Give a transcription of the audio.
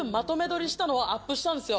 したのをアップしたんですよ。